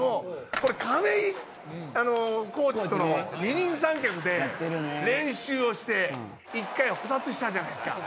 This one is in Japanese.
「これ亀井コーチと二人三脚で練習をして１回補殺したじゃないですか」